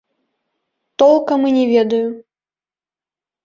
Толкам і не ведаю.